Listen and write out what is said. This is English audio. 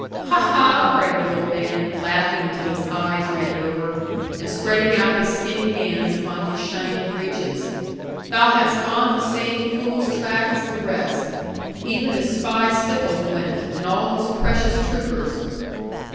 'Ha, ha!' cried the old man, laughing until his eyes ran over, and spreading out his skinny hands upon his shining breeches, 'thou hast gone the same fools' track as the rest; even as spy Stickles went, and all his precious troopers.